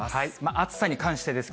暑さに関してです